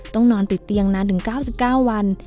ต้องนอนติดเตียงนานถึง๙๙วัน